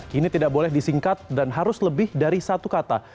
kini tidak boleh disingkat dan harus lebih dari satu kata